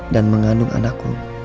dan mengandung anakku